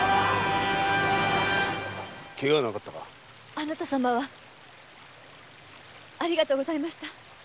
あなた様はありがとうございました。